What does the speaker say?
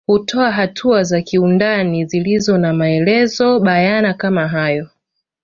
Hutoa hatua za kiundani zilizo na maelezo bayana kama hayo